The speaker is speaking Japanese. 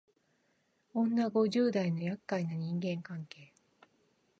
女五十代のやっかいな人間関係